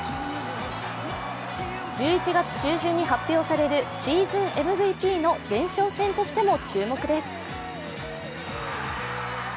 １１月中旬に発表されるシーズンＭＶＰの前哨戦としても注目です。